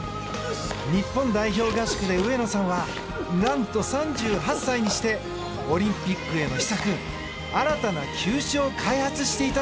日本代表合宿で上野さんはなんと３８歳にしてオリンピックへの秘策新たな球種を開発していたのです。